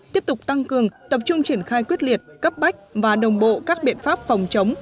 tiếp tục tăng cường tập trung triển khai quyết liệt cấp bách và đồng bộ các biện pháp phòng chống